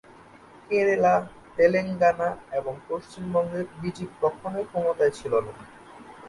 কেরালা, তেলেঙ্গানা এবং পশ্চিমবঙ্গে বিজেপি কখনোই ক্ষমতায় ছিল না।